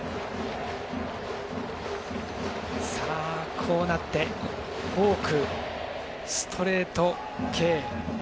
こうなってフォーク、ストレート系。